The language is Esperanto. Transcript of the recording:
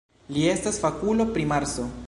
Li estas fakulo pri Marso.